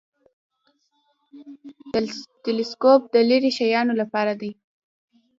تلسکوپ د لیرې شیانو لپاره دی